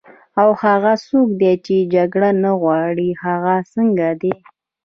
او هغه څوک چې جګړه نه غواړي، هغه څنګه دي؟